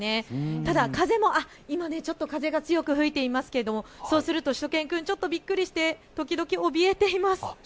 ただ今ちょっと風が強く吹いていますがそうするとしゅと犬くんちょっとびっくりして時々おびえています。